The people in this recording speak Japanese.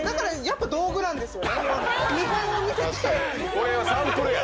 これはサンプルや。